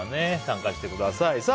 参加してください。